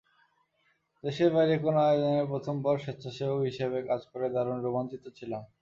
দেশের বাইরে কোনো আয়োজনে প্রথমবার স্বেচ্ছাসেবক হিসেবে কাজ করে দারুণ রোমাঞ্চিত ছিলাম।